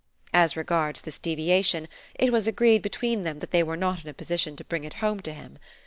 As regards this deviation it was agreed between them that they were not in a position to bring it home to him.